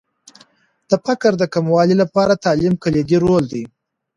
د فقر د کموالي لپاره تعلیم کلیدي رول لري.